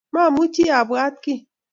Mamuchi abwat kiy